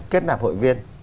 kết nạp hội viên